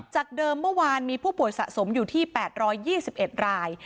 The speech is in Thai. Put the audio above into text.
จากเดิมเมื่อวานมีผู้ป่วยสะสมอยู่ที่๘๒๑ราย